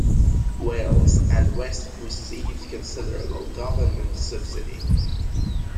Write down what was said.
Wales and West received considerable government subsidy.